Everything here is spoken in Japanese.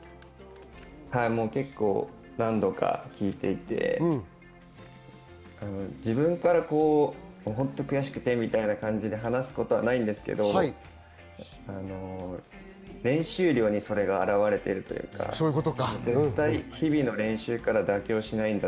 結構何度か聞いていて、自分から本当悔しくてって話すことはないんですけど、練習量にそれが表れているというか、日々の練習から妥協しないんだ